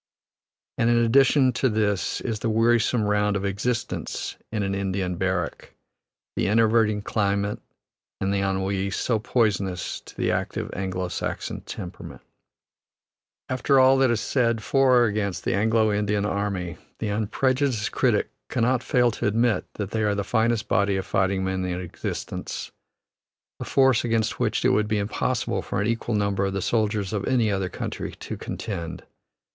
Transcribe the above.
And in addition to this is the wearisome round of existence in an Indian barrack, the enervating climate and the ennui, so poisonous to the active Anglo Saxon temperament. After all that is said for or against the Anglo Indian army, the unprejudiced critic cannot fail to admit that they are the finest body of fighting men in existence, a force against which it would be impossible for an equal number of the soldiers of any other country to contend.